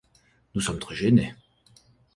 Nous sommes très gênés.